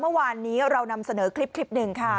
เมื่อวานนี้เรานำเสนอคลิปหนึ่งค่ะ